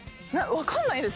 分かんないです。